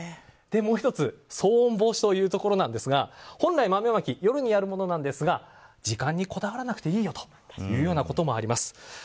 もう１つ騒音防止というところですが本来、豆まきは夜にやるものなんですが時間にこだわらなくていいよというようなこともあります。